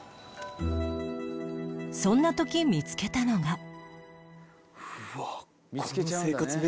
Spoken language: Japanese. そんな時見つけたのが